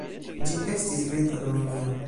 Ĝi estis brita dominio.